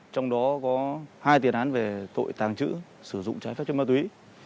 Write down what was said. trong đó có hai tiền án về tội tàng trữ sử dụng trái phép chất ma túy